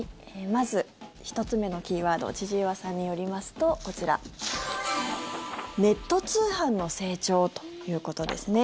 まず、１つ目のキーワード千々岩さんによりますとこちら、ネット通販の成長ということですね。